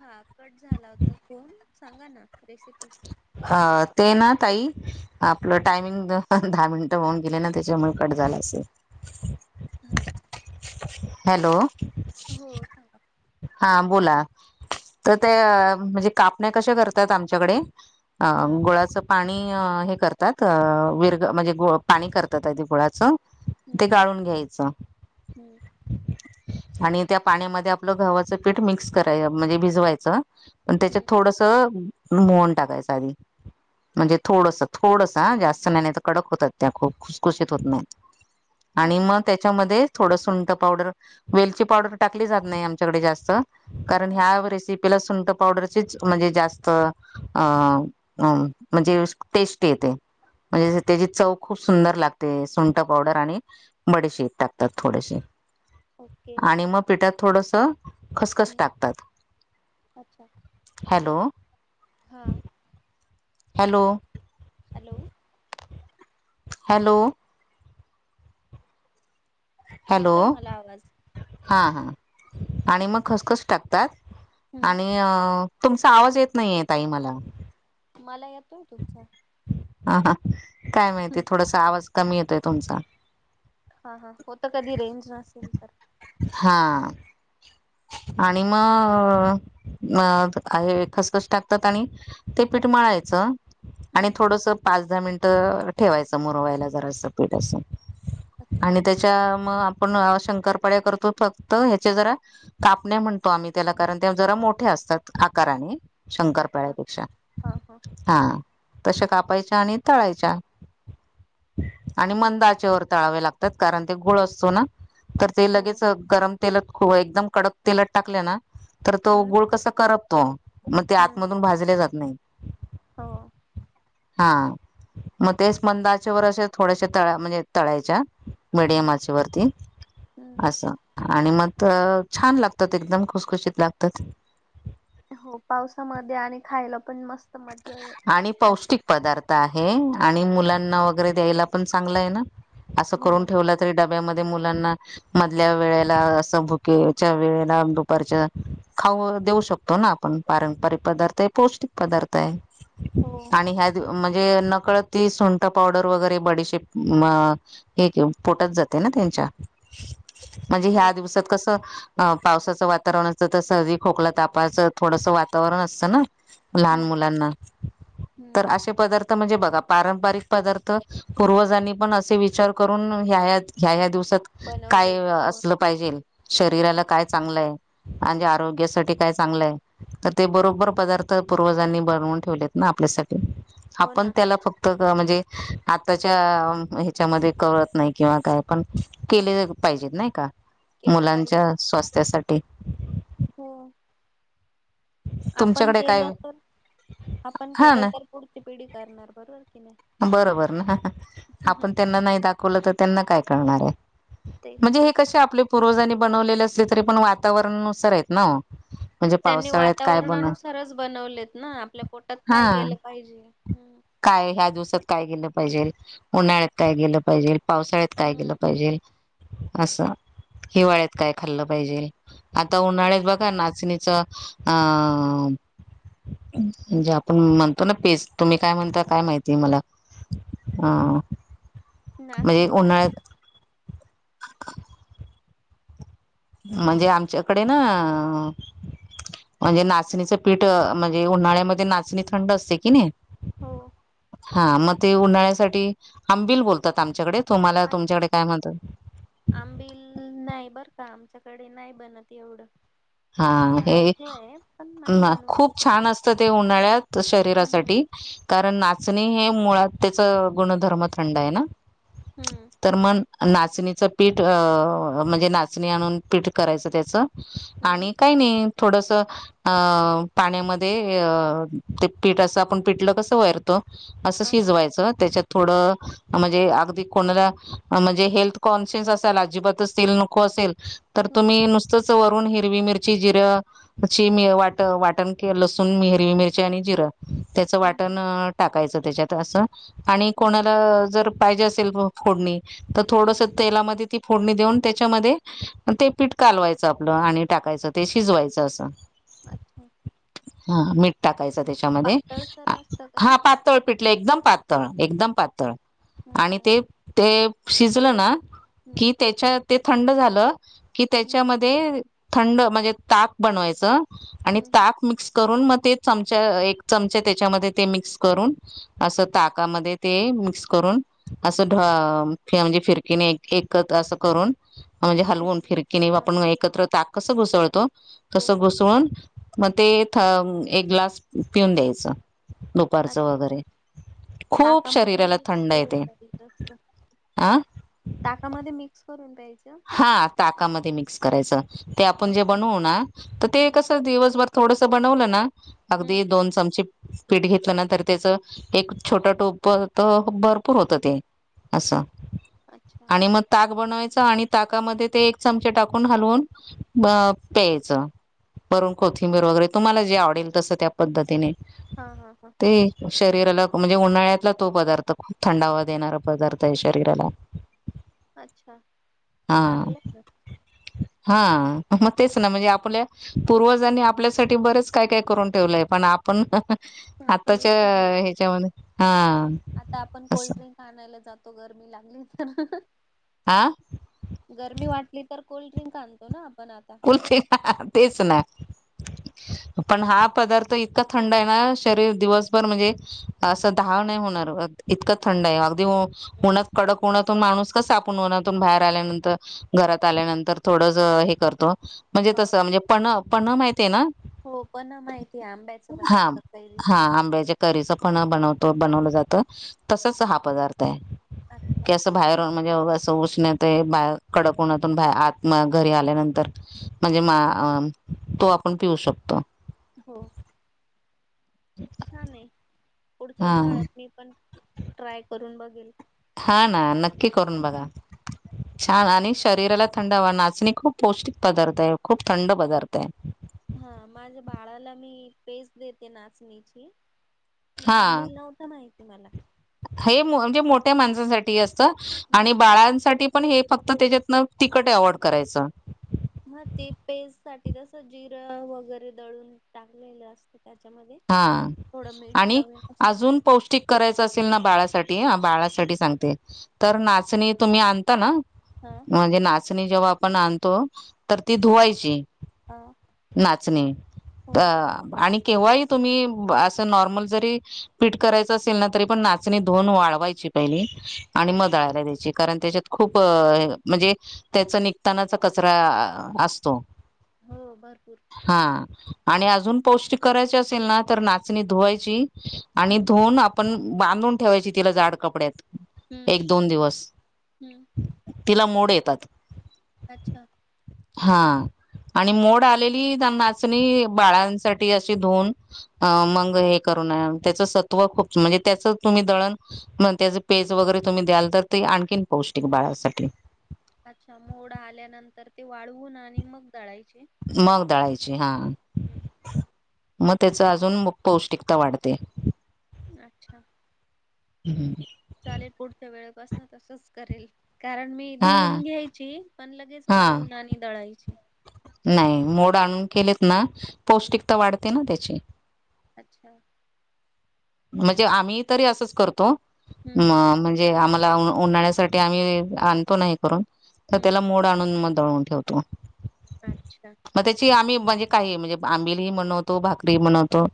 हा, कट झाला होता फोन सांगा ना... रेसिपी हा... ते ना ताई, आपलं टायमिंग दहा मिनटं होऊन गेले ना त्याच्यामुळे कट झाला असेल. हम हॅलो. हा, बोला. तर ते म्हणजे कापण्या कशा करतात आमच्याकडे? हा अं... गुळाचं पाणी हे करतात अं... विर म्हणजे ग पाणी करतात आधी गुळाचं हम्म ते गाळून घ्यायचं हम्म आणि त्या पाण्यामध्ये आप- आपलं गवा्हाचं पीठ मिक्स कराय म्हणजे भिजवायचं आणि त्याच्यात हम्म थोडसं- मोन टाकायचाध म्हणजे अच्छा थोडस थोड जास्त नाही नाही कडक होतात त्या खूप खुसखुशीत होत नाहीत हा आणि हा मग हा त्याच्यामध्ये थोडं सुंट पावडर वेलची पावडर टाकली जात नाही आमच्याकडे जास्त कारण हा ह्या रेसिपीला सु पावडरचीच म्हणजे जास्त अं अं म्हणजे टेस्ट येते. म्हणजे स त्याची चव खूप सुंदर लागते. सुंट पावडर आणि बडेशीत टाकतात थोडेशी. ओके आणि म पिठात थोडसं- खसखस हम्म टाकतात. अच्छा हॅलो. हा हॅलो. हॅलो. हॅलो. येतय मला आवाज. हां-हां आणि मग खसखस टाकतात. हम्म आणि तुमचा आवाज येत नईये ताई मला. मला येतोय तुमचा. हां-हां काय माहिती हम्म थोडासं आवाज कमी येतोय तुमचा. हां-हां होतं कधी रेंज नसेल तर. हां आणि म अं त आहे खसखस टाकतात आणि ते पीठ मळायचं. आणि हम्म थोडंसं पाच दहा मिनिटं ठेवायचं मुर व्हायला जरासं पीठ असं. अच्छा आणि त्याच्या म आपण शंकरपाड्या करतो फक्त ह्याचे जरा कापणे म्हणतो आम्ही त्याला कारण ते जरा मोठे असतात आकाराने. अच्छा शंकरपाळ्यापेक्षा हा हा हां. तश्या कापायच्या आणि तळायच्या. आणि हम्म मंदाचे वर तळावे लागत त कारण ते गुळ असतो ना तर ते हो लगेच गरम तेलात खोळ एकदम कडक तेलात टाकल्या ना तर तो हम्म गुळ कसा करपतो, म ते हम्म आतमधून भाजले जात नाही. हो हां म तेस् मंदाआचे वर असे थोड्याश तळा म्हणजे तळायच्या. मडियम हम्म आचे वरती हम्म असं, आणि म त छान लाग तत एकदम खुसखुशीत लागतात. हो पावसामध्ये आणि खायला पण मस्त मजा आणि वाटते पौष्टिक पदार्थ आहे. आणि मुलांना वगैरे द्यायला पण चांगलं आहे ना. असं हो करून ठेवला तरी डब ब्या मध्ये मुलांना मधल्या वेळेला असं भुकेच्या वेळेला दुपारच्या खा हो देऊ शकतो ना आपण, पारंपरिक पदार्थ आय पौष्टिक पदार् तय हो आणि ह्या द म हे नकळत ती सुंठ पावडर वगैरे बडीशेप म हे घेऊन पोटात जाते ना त्यां [inaudible] म्हणजे हो ह्या दिवसात कसं पा पावसाचं वातावरण असतं, त सहदी खोकलं तापाचं थोडसं वातावरण असतं ना. लहान हम्म मुलांना, हम्म तर असे पदार्थ म्हणजे बघ. पारंपारिक पदार्थ पूर्वजांनी पण असे विचार करून ह्या ह्या द ह्या ह्या दिस् तत काय बनवलेत हो असलं पाहिजेल? शरीराला काय चांगलंय आणिजे आरोग्यासाठी काय चांगलंय तर ते बरोबर पदार्थ पूर्वजांनी बनवून ठेवलेत ना आपल्यासाठी. हो आपण ना त्याला फक्त म्हणजे आताच्या ह्याच्यामध्ये कळत नाही किंवा काय पण केले पाहि जेत नाही का केलं पाहिजे मुलांच्या स्वास्थ्यासाठी. हो आपण तुमच्याकडे केलं काय तर, आपण हा केलं ना तर पुढची पिढी करणार बरोबर. की नाही बरोबर ना, हम्म, आपण त्यांना नाही दाखवलं त त्यांना काय कळणार आय. तेच म्हणजे तर हे कसे आपले पूर्वजानी बनवलेले असले तरी पण वातावरणानुसार हेत ना. म्हणजे त्यांनी पावसाळ्यात काय बन वातावरणानुसारच बनवलेत ना आपल्या पोटात हा काय गेलं पाहिजे. हम्म काय ह्या दिवसात काय गेलं पाहिजेल, उन्हाळ्यात काय गेलं पाहिजेल. पावसाळ्यात काय गेलं हम्म पाहिजे असं हिवाळ्यात काय खाल्लं पाहिजे आता उन्हाळ्यास तेच बघा नाचणी अे आप म्हणतो त काय म्हणत काय माहिती मला ह नाच प म्हणजे आमच्याकडे ना म्हणजे नाचणीचं पीठ म्हणजे उन्हाळ्यामध्ये नाचणी थंड असते की नाही हो हा मग ते उन्हाळ्यासाठी आंबिल बोलतात आमच्याकडे तुम्हाला अच्छा तुमच्याकडे काय म्हणतात आंबिल नाही बर [inaudible] आमच्याकडे नाही बनत एवढं [inaudible] हा मी हे ऐकलंय पण [inaudible] नाही ना बनवत खूप इकडे छान असत ते उन्हाळ्यात हम्म शरीरासाठी कारण ना- चणी हे मुळात त्याच गुणधर्म थंड आहे ना हम्म तर मन [inaudible] नाचणीचं पीठ म्हणजे नाचणी आणून पीठ करायचं त्याचं- हम्म आणि काय नाही- थोडस अ पाण्यामध्ये ते पीठ असं आपण पिटलं कसं वयरतो- असं हम्म अहं शिजवायचं त्याच्यात- थोडं म्हणजे अगदी कोणाला म्हणजे हेल्थ कॉन्शियस असाल अजिबात असतीलल नको असेल- तर हम्म तुम्ही नुसतच वरून [inaudible] हिरवी मिरची जिरंची वाट वाटण के लसूनी हिरवी मिरची आणि जिरं- त्याच हम्म हम्म वाटण टाकायचं त्याच्यात असं आणि हम्म कोणाला जर- पाहिजे असेल फोडणी तर हम्म. थोडस तेलामध्ये- फोडणी देऊन त्याच्यामध्ये ते पीठ कालवायचं आपलं आणि टाकायचं ते शिजवायचं असं- अच्छा [inaudible] हा मीठ टाकायचं त्याच्यामध्ये पातळसर असतं का हा ते पातळ पिटलं एकदम प [inaudible] पातळ एकदम पातळ आणि अच्छा ते ते शिजलं ना- हम्म कि त्याच्या ते थंड झालं कि हम्म त्याच्यामध्ये- थंड म्हणजे ताक बनवायच आणि हम्म ताक मिक्स करून म- [inaudible] ते चमचा एक चमचा त्याच्यामध्ये ते मिक्स करून अस ताकामध्ये ते मिक्स करून- असं म्हणजे फिरकीने एकत अस करून [inaudible] म्हणजे हलवून घेतलं. फिरकीिने हां आपण हां. एकत्र ताक कसं घुसळतो हो कसं हो घुसळून [inaudible] मग ते एक ग्लास पिऊन द्यायचं दुपारचं वगैरे- खूप टाकामध्ये शरीराला मिक्स थंड करून येते ट्याई जास्त आ [inaudible] ताकामध्ये मिक्स करून [inaudible] हा ताकामध्ये मिक्स करायचं ते आपण जे ओके बनवू ना तर हम्म ते हम्म कस दिवसभर थोड- बनवलं ना हम्म अगदी दोन चमचे [inaudible] पीठ घेतलं ना तर त्याच एक छोट टोप तर भरपूर होतं ते- असं अच्छा आणि मग ताग बनवायच आणि- ताकामध्ये ते एक चमचे टाकून हलवून प्यायचं [inaudible] पररून कोथिंबी-र वगैरे तुम्हाला जे आवडेल तसं त्या पद्धतीने हा- हा- हा- ते शरीराला म्हणजे उन्हाळ्यातला तो पदार्थ खूप थंडावा देणारा पदार्थ आहे शरीराला [inaudible] अच्छा हा चांगलं ना- हा मग तेच ना म्हणजे आपल्या पूर्वजांनी आपल्यासाठी बरेच काय काय करून ठेवलंय पण- आपण ना आपण आताच्या विसरलो. ह्याच्यामध्ये हा- आता आपण असं कोल्ड्रिंक आणायला जातो गरमी लागली तर- हा गरमी वाटली तर कोल्ड्रिंक आणतो ना- आपण आता कलते ना तेच ना- ह [inaudible] पण हा पदार्थ इतका थंड आहे ना शरीर दिवसभर म्हणजे असं धाव नाही होणार बघ. इतकं थंड आहे. अगदी हं. कडक उन्हात. तो माणूस कस उन्हातून बाहेर आल्यानंतर घरात आल्यानंतर थोड ज हे करतो. म्हणजे हां तसं म्हणजे पण-पण माहिते आहे ना. हो पण माहिती आहे आंब्याचं हा बनवत हा कैरीच. आंब्याच्या करीचं पण बनतो बनवलं जात तसच हा पदार्थ आहे. अच्छा की अस बाहेरुन. म्हणजे असं उष्णत आहे. बा कडक उन्हातून बा आत घरी आल्यानंतर- म्हणजे मा आ तो आपण पिऊ शकतो. हो छान आहे, पुढच्या हा उन्हाळ्यात मी पण ट्राय करून बघेल. हा ना, नक्की करून बघा. छान आणि शरीराला थंडावा. नाचणी खूप पौष्टिक पदार्थ हाय. खूप थंड पदार्थ हाय. हा, माझ्या बाळाला मी पेज देते नाचणीची. मी, हा आंबिल नव्हत माहिती मला. हे म्हणजे मोठ्या माणसाांसाठी असत आणि बाळांसाठी पण हे फक्त त्याच्यातन तिकट एव्हॉड करायचं. ह ते पेस्ट साठी तस जिरं वगैरे दळून टाकलेलं असत. हा आणि चवीनुसार अजून पौष्टिक करायचं असेल ना बाळासाठी ठी, बाळासाठी सांगते, तर नाचणी तुम्ही आणता ना हा म्हणजे नाचणी जेव्हा आपण आणतो, तर ती धुवायची, हा नाचणी हो अ आणि केव्हाही तुम्ही असं नॉर्मल जरी पीठ करायचं असेल ना तरी पण नाचणी धुऊन वाळवायची पहिली आणि ह म दळायला द्यायचीं. कारण त्याच्यात खूप, म्हणजे त्याचा निघतानाचा कचरा आ आसतो. हो भरपूर हा, आणि अजून पौष्टिक करायचे अस असतील ना, तर नाचणी धुवायची आणि हम्म धुऊन आपण बांधून ठेवायची. तिला जाड कपड्यात. हम्म एक दोन दिवस, हम्म तिला मोड येतात. अच्छा. हा आणि मोड आलेली नाचणी बाळांसाठी अशी धुऊन. अ मंग हे करुन त्याच सत्व खूप म्हणजे त्याच तुम्ही दळण, म त्याज पेज वगैरे तुम्ही द्याल तर ते आणखीन पौष्टिक बाळासाठी. अच्छा मोड आल्यानंतर ते वाळवून आणि मग दळायचे मग दळायची हा. मग त्याचं अजून मग पौष्टिकता वाढते. अच्छा. हूं हूं. चालेल पुढच्या वेळेपासन तसच करेल कारण मी हा धुवून घ्यायची पण लगेच हा वाळवून आणि दळायची. नाही, मोड आणून केलेत ना पौष्टिकता वाढते ना त्याची. अच्छा. म्हणजे आम्ही तरी असचं करतो म हम्म हम्म म्हणजे आम्हा ऊन्हाळण्यासाठी आम्ही आणतो ना हे करून तर हम्म त्याला मोड आणून मग दळून ठेवतो. अच्छा. मग त्याची आम्ही म्हणजे काहीही म्हणजे आंबिलही बनवतो. भाकरी ही बनवतो.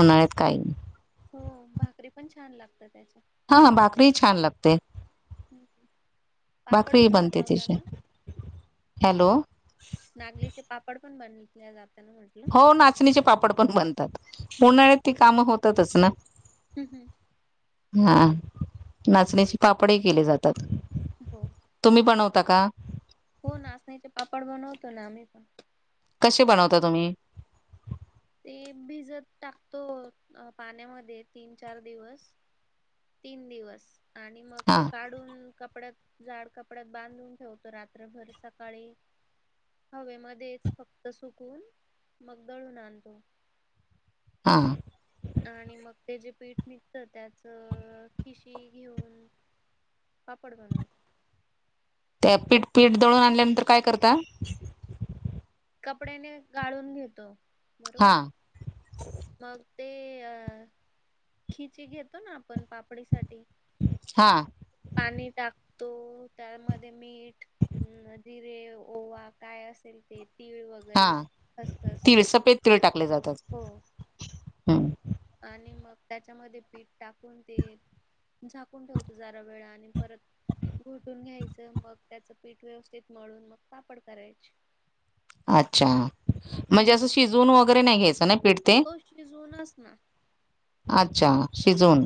उन्हाळ्यात काहीही. हो, भाकरी पण छान लागतात. हा, भाकरीही छान लागते. पापड भाकरी पण बनते बनवता तिची ना? हॅलो नाचनीचे पापड पण बनव हो नाचणीचे पापड पण बनतात, उन्हाळ्यात ती कामं होतातच ना. हू हू. हा, नाचनीचे पापडे ही केले जातात. हो. तका हो नाचणीचे पापड बनवतो ना आम्ही पण. कसे बनवता तुम्ही? ते भिजत टाकतो पाण्यामध्ये, तीन चार दिवस तीन दिवस आणि मग हा ते काढून कपड्यात. जाड कपड्यात. बांधून ठेवतो रात्रभर सकाळी हवे मध्येच फक्त सुकून मग दळून आणतो. हां. आणि मग ते जे पीठ निघतं त्याच खिशी घेऊन. पापड बनवतो. त्या पीठ-पीठ दळून आणल्यानंतर काय करता. कपड्याने गाळून घेतो बरोबर हा मग. ते अ खिची घेतो ना आपण पापडीसाठी. हा पाणी टाक. तो त्यामध्ये मीठ. अ जिरे ओवा काय असेल ते. तीळ हा वगैरे खसखस तीळ सफेद तीळ टाकले जातात. हो हम्. आणि मग त्याच्यामध्ये पीठ टाकून देईल. झाकून ठेवतो जरा वेळ आणि परत घोटून घ्यायचं मग त्याचं पीठ व्यवस्थित मळून मग कापड करायचे. अच्छा म्हणजे असं शिजून वगैरे नाही घ्यायचं नाही हो शिजवूनच ना. अच्छा शिजवून.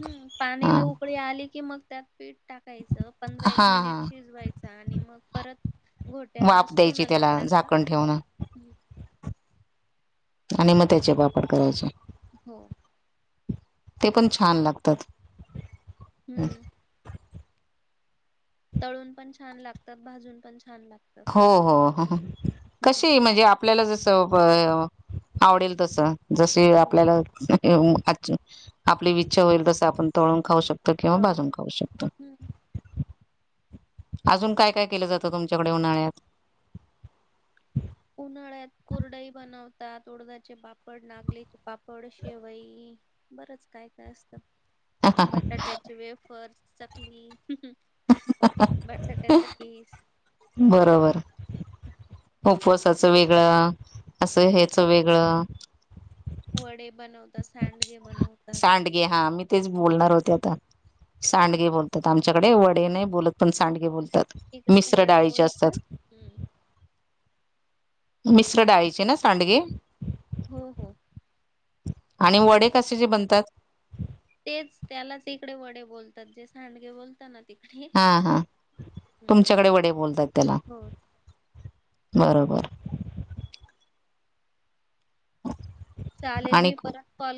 हम्म हा पाणीला उकळी आली की मग त्यात पीठ टाकायचं पंधरा हा एक मिनिट हा शिजवाय चं आणि मग परत घोट्या वाफ असतो द्यायची ना त्याला लाकडाचा? झाकण ठेवून हम्म. आणि मग त्याचे वापर करायचे हो. ते पण छान लागतात. हम्म. तळून पण छान लागतात भाजून पण छान लागतात हो हो हो कशी म्हणजे आपल्याला जसं [unintelligible] आवडेल तसं जशी हो आपल्याला [unintelligible] [unintelligible] आपली विच्छा होईल तसं आपण तळून खाऊ शक तो किंवा भाजून खाऊ शकतं, हम्म अजून काय काय केलं जातं तुमच्या कडे उन्हाळ्यात? उन्हाळ्यात कुरडई बनवतात उडदाचे पा पड, नागलेचे पापड, शेवई बरंच काय काय असतं. बटाट्याचे वेफर्स, चकली बटाट्याचं किस बरोबर उपवासचं वेगळं असं हो ह्याचं वेगळं वडे बनवतात सँड सांडगे हा मी तेच बोलणार होतो. सांडगे बोलतात. आमच्याकडे वडे नाही बोलत. पण सांडगे बोलत. इकडे मिश्र वडे डाळीचे बोलतात असतात. हम्म मिश्र डाळीचे ना सांडगे. हो हो. आणि वडे कशाचे बनतात? तेच त्यालाच इकडे वडे बोलतात. जे सांडगे बोलतात ना. तिकडे हा हा हम्म. तुमच्याकडे वडे बोलताईत त्याला. हो बरोबर चालेल आणि मी परत कॉल